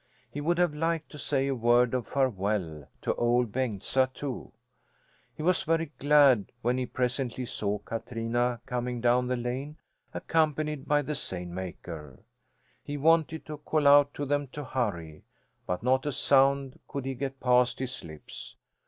He would have liked to say a word of farewell to Ol' Bengtsa, too. He was very glad when he presently saw Katrina coming down the lane, accompanied by the seine maker. He wanted to call out to them to hurry, but not a sound could he get past his lips.